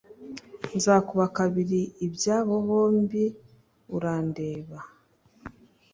Nzakuba kabiri ibyabo bombiurandeba